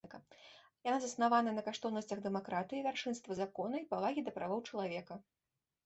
Яна заснаваная на каштоўнасцях дэмакратыі, вяршэнства закона і павагі да правоў чалавека.